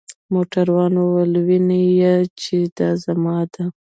موټروان وویل: وینې يې؟ چې دا زما ده.